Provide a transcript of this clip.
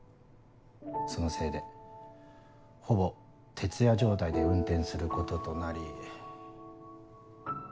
そのせいでほぼ徹夜状態で運転することとなり。